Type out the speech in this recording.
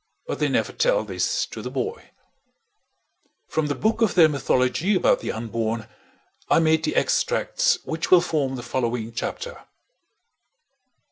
But they never tell this to the boy. From the book of their mythology about the unborn I made the extracts which will form the following chapter.